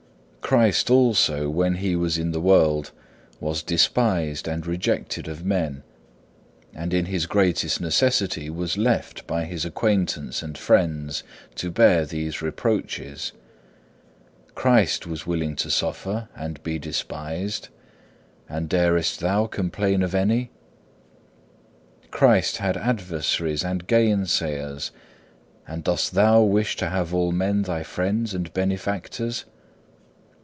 5. Christ also, when He was in the world, was despised and rejected of men, and in His greatest necessity was left by His acquaintance and friends to bear these reproaches. Christ was willing to suffer and be despised, and darest thou complain of any? Christ had adversaries and gainsayers, and dost thou wish to have all men thy friends and benefactors?